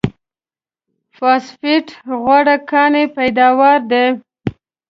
فاسفېټ غوره کاني پیداوار دی.